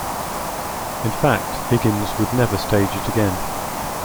In fact, Higgins would never stage it again.